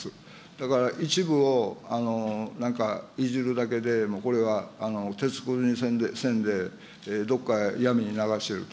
だから、一部をなんかいじるだけで、これは鉄くずにせんで、どっかへ闇に流してると。